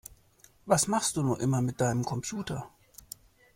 Was machst du nur immer mit deinem Computer?